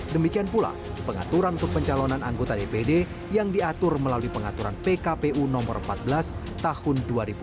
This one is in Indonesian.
demikian pula pengaturan untuk pencalonan anggota dpd yang diatur melalui pengaturan pkpu nomor empat belas tahun dua ribu dua puluh